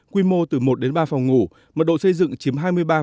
quy mô từ một đến ba phòng ngủ mật độ xây dựng chiếm hai mươi ba